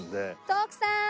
徳さーん！